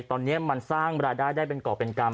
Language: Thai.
ตอนนี้มันสร้างรายได้ได้เป็นก่อเป็นกรรม